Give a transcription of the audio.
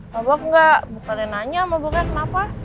mabuk enggak bukannya nanya mabuknya kenapa